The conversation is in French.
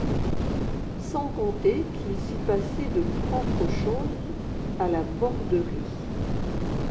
Sans compter qu’il s’y passait de propres choses, à la Borderie.